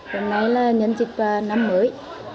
hôm nay là nhân dịch năm mới